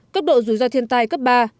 cấp độ rủi ro thiên tai cấp ba